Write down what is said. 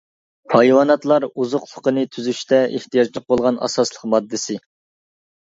ھايۋاناتلار ئوزۇقلۇقىنى تۈزۈشتە ئېھتىياجلىق بولغان ئاساسلىق ماددىسى.